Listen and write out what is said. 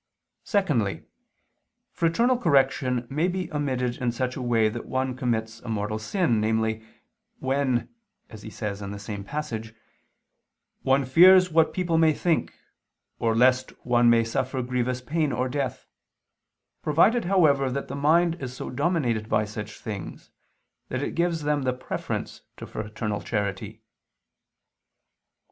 Secondly, fraternal correction may be omitted in such a way that one commits a mortal sin, namely, "when" (as he says in the same passage) "one fears what people may think, or lest one may suffer grievous pain or death; provided, however, that the mind is so dominated by such things, that it gives them the preference to fraternal charity."